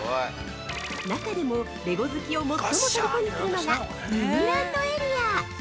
中でも、レゴ好きを最もとりこにするのがミニランドエリア。